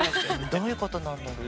どういうことなんだろう？